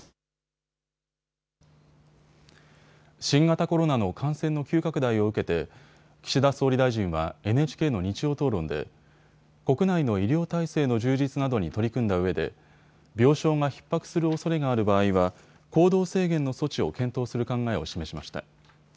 新型コロナの感染の急拡大を受けて岸田総理大臣はＮＨＫの日曜討論で国内の医療体制の充実などに取り組んだうえで病床がひっ迫するおそれがある場合は行動制限の措置を検討する考えを示しました。